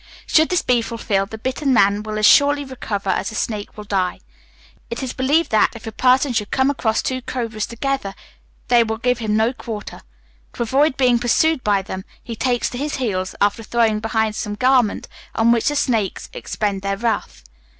Should this be fulfilled, the bitten man will as surely recover as the snake will die. It is believed that, if a person should come across two cobras together, they will give him no quarter. To avoid being pursued by them, he takes to his heels, after throwing behind some garment, on which the snakes expend their wrath.